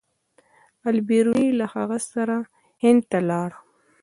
البیروني له هغه سره هند ته لاړ.